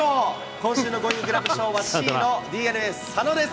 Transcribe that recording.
今週のゴーインググラブ賞はＣのＤｅＮＡ、佐野です。